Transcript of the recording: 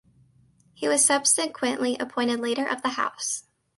He was subsequently appointed Leader of the House.